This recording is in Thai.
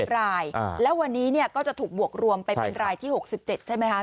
๑รายแล้ววันนี้ก็จะถูกบวกรวมไปเป็นรายที่๖๗ใช่ไหมคะ